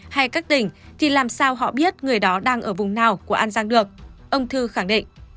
hay các tỉnh thì làm sao họ biết người đó đang ở vùng nào của an giang được ông thư khẳng định